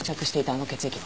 あの血液は？